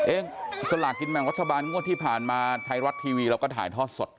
สลากกินแบ่งรัฐบาลงวดที่ผ่านมาไทยรัฐทีวีเราก็ถ่ายทอดสด